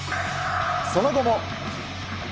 その後も。